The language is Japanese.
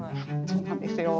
そうなんですよ。